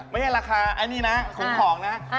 ไม่ใช่ราคาไอ้นี่นะของนะ